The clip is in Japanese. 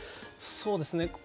そうですね